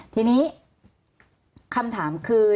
ทีนี้คำถามคือ